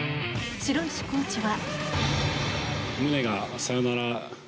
城石コーチは。